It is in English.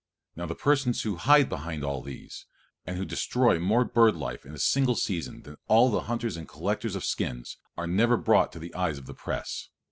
Now the persons who hide behind all these, and who destroy more bird life in a single season than all the hunters and collectors of skins, are never brought to the eyes of the press.